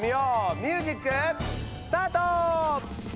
ミュージックスタート！